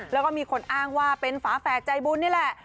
แล้วก็มีคนอ้างว่าเป็นฝาแฝดใจบุญนี่แหละ